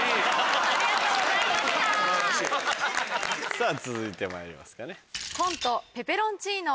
さぁ続いてまいりますかね。